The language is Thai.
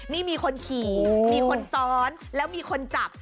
นี่มีคนขี่มีคนซ้อนแล้วมีคนจับ